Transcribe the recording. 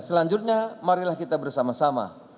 selanjutnya marilah kita bersama sama